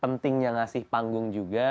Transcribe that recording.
pentingnya ngasih panggung juga